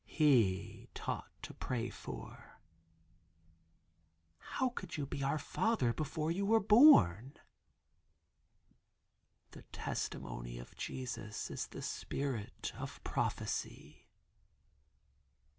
He taught to pray for." "How could you be 'Our Father' before you were born?" "The testimony of Jesus is the spirit of prophecy."